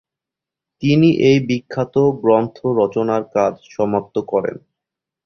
তিনি এই বিখ্যাত গ্রন্থ রচনার কাজ সমাপ্ত করেন।